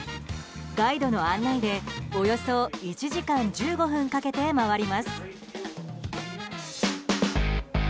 ガイドの案内でおよそ１時間１５分かけて回ります。